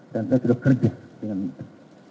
dan saya sudah kerja dengan itu